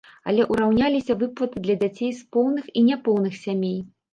Але ўраўняліся выплаты для дзяцей з поўных і няпоўных сямей.